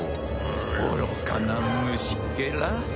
愚かな虫けら。